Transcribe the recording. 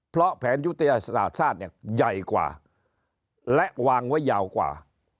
เพราะแผนยุทธศาสตร์ชาติเนี่ยใหญ่กว่าและวางไว้ยาวกว่า